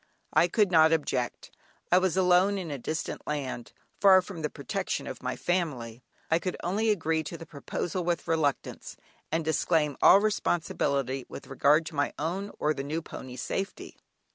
I could not object; I was alone in a distant land far from the protection of my family; I could only agree to the proposal with reluctance, and disclaim all responsibility with regard to my own or the new pony's safety.